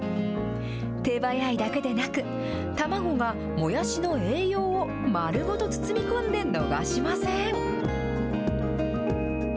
手早いだけでなく、卵がもやしの栄養を丸ごと包み込んで逃しません。